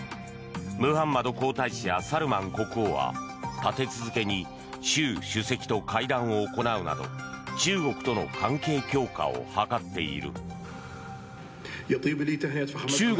ムハンマド皇太子やサルマン国王は立て続けに習主席と会談を行うなど中国との関係強化を図っている。